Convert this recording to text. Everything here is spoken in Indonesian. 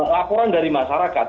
laporan dari masyarakat